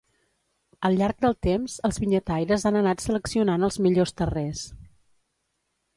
Al llarg del temps els vinyataires han anat seleccionant els millors terrers.